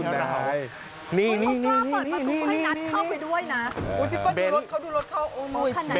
แต่นัทไอขึ้นไม่ได้ผมขาดเลยคะ